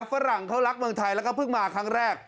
ฝรั่งเขารักเมืองไทยแล้วก็เพิ่งมาครั้งแรก